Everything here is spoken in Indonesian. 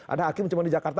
ada hakim cuma di jakarta